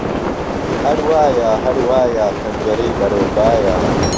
ههر وایه ههروایه پهنجهرهی بهرهو بایه